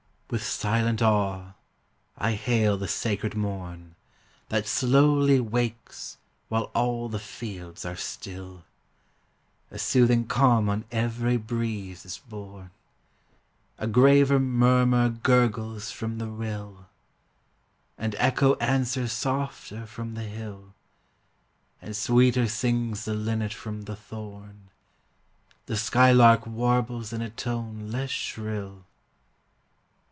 With silent awe I hail the sacred morn, That slowly wakes while all the fields are still! A soothing calm on every breeze is borne; A graver murmur gurgles from the rill; And echo answers softer from the hill; And sweeter sings the linnet from the thorn: The skylark warbles in a tone less shrill.